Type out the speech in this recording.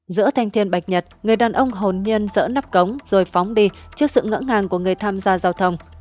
giữa thanh thiên bạch nhật người đàn ông hồn nhân dỡ nắp cống rồi phóng đi trước sự ngỡ ngàng của người tham gia giao thông